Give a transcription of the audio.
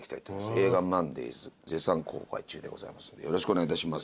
映画『ＭＯＮＤＡＹＳ』絶賛公開中でございますんでよろしくお願いいたします。